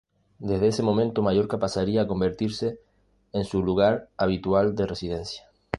Desde ese momento Mallorca pasaría a convertirse en su lugar habitual de residencia.